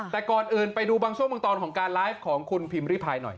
แต่ก่อนอื่นไปดูบางช่วงบางตอนของการไลฟ์ของคุณพิมพ์ริพายหน่อย